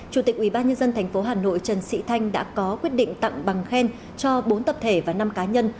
chủ tịch ubnd tp hà nội trần sĩ thanh đã có quyết định tặng bằng khen cho bốn tập thể và năm cá nhân